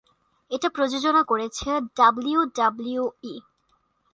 এটা প্রযোজনা করেছে ডাব্লিউডাব্লিউই।